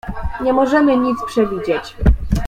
"Nie możemy nic przewidzieć."